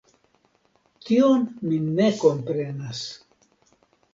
Tion mi ne komprenas.